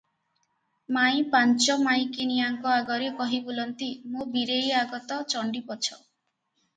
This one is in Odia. ମାଇଁ ପାଞ୍ଚ ମାଇକିନିଆଙ୍କ ଆଗରେ କହି ବୁଲନ୍ତି, "ମୋ ବୀରେଇ ଆଗ ତ ଚଣ୍ଡୀ ପଛ ।